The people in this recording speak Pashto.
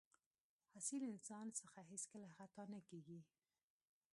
اصیل انسان څخه هېڅکله خطا نه کېږي.